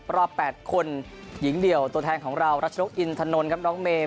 รอบ๘คนหญิงเดี่ยวตัวแทนของเรารัชนกอินทนนท์ครับน้องเมย์